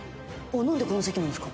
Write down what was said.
何でこの席なんですか？